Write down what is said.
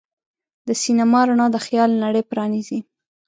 د سینما رڼا د خیال نړۍ پرانیزي.